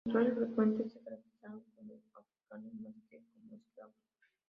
Sus autores frecuentemente se caracterizaban como africanos más que como esclavos.